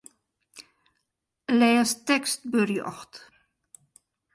Lês tekstberjocht.